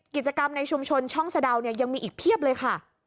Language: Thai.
กิจกรรมในชุมชนช่องสะดาวเนี่ยยังมีอีกเพียบเลยค่ะ